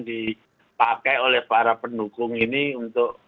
dipakai oleh para pendukung ini untuk